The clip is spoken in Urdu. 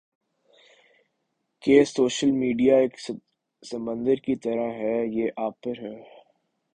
کہ سوشل میڈیا ایک سمندر کی طرح ہے یہ آپ پر ہے